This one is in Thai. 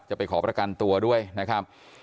ไปขอประกันตัวด้วยนะครับ